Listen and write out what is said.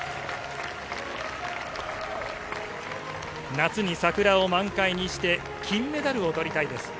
夏に桜を満開にして、金メダルを取りたいです。